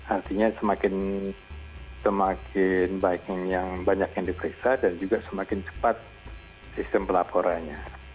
artinya semakin banyak yang diperiksa dan juga semakin cepat sistem pelaporannya